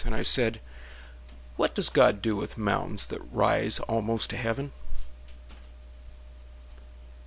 And I said "What does God do with mountains That rise almost to heaven?"